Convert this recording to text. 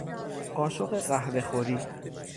قاشق قهوهخوری